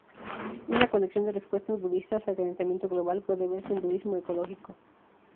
Una colección de respuestas budistas al calentamiento global puede verse en budismo ecológico.